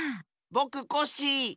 ぼくコッシー！